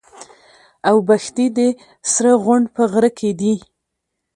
اوبښتي د سره غونډ په غره کي دي.